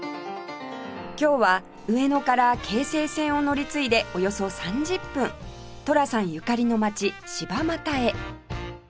今日は上野から京成線を乗り継いでおよそ３０分寅さんゆかりの街柴又へ